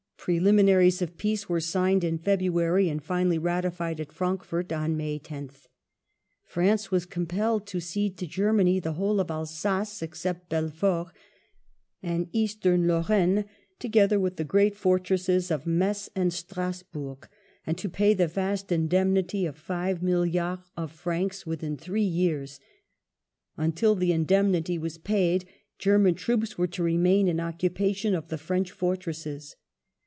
Preliminaries of peace were signed in February, and finally ratified at Frankfort on May 10th. France was compelled to cede to Germany the whole of Alsace (except Belfort) and Eastern Lorraine, together with the great fortresses of Metz and Strasburg, and to pay the .^ vast indemnity of five milliards of francs within three years. { Until the indemnity was paid German troops were to remain in occupation of the French fortresses.